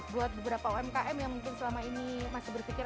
buat beberapa umkm yang mungkin selama ini masih berpikir